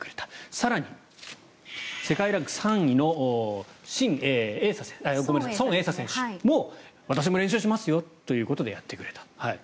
更に、世界ランク３位のソン・エイサ選手も私も練習しますよということでやってくれた。